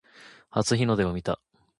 初日の出を見た